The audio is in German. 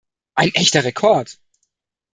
Ein echter Rekord!